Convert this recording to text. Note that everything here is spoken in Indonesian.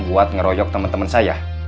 yang meroyok temen temen saya